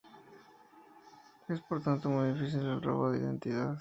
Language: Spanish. Es por tanto muy difícil el robo de identidad.